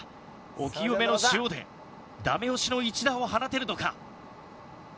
お清めの塩でダメ押しの一打を放てるのか？